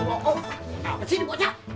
apa sih ini bocah